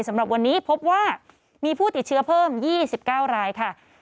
สำหรับวันนี้พบว่ามีผู้ติดเชื้อเพิ่ม๒๙รายค่ะ